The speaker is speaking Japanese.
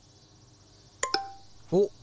おっ！